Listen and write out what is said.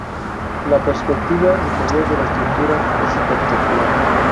La perspectiva inferior de la estructura es espectacular.